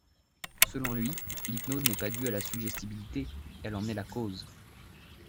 Selon lui, l'hypnose n'est pas due à la suggestibilité, elle en est la cause.